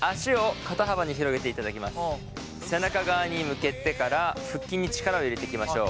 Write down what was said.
背中側に向けてから腹筋に力を入れていきましょう。